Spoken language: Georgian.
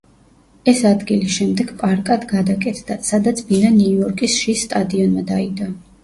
ეს ადგილი შემდეგ პარკად გადაკეთდა, სადაც ბინა ნიუ-იორკის შის სტადიონმა დაიდო.